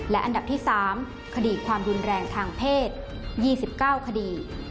และอันดับที่๓คดีความรุนแรงทางเพศ๒๙คดี